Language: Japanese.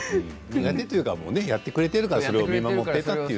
苦手というかやってくれているから見守ってたという。